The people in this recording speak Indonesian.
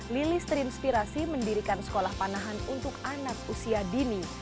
lilis terinspirasi mendirikan sekolah panahan untuk anak usia dini